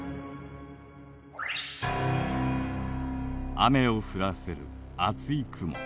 雨を降らせる厚い雲。